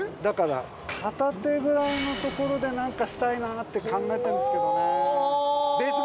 だから片手くらいのところでなんかしたいなって考えてるんですけどね。